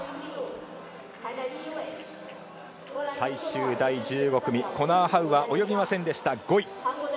最終第１５組コナー・ハウは及びませんでした、５位。